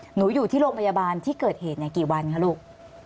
อยู่ที่โรงพยาบาลที่เกิดเหตุกี่วันคะลูก